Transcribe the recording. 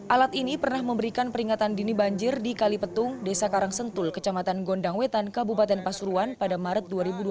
alat ini pernah memberikan peringatan dini banjir di kalipetung desa karangsentul kecamatan gondangwetan kabupaten pasuruan pada maret dua ribu dua puluh